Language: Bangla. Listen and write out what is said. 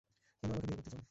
কেন আমাকে বিয়ে করতে চাও?